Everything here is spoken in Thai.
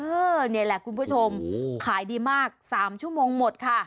นี่แหละคุณผู้ชมขายดีมาก๓ชั่วโมงหมดค่ะ